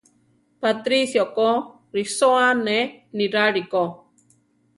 Patricio ko risóa ané niráli ko.